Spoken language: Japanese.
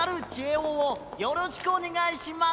おをよろしくおねがいします。